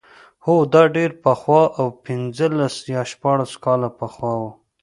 هو دا ډېر پخوا و پنځلس یا شپاړس کاله پخوا و.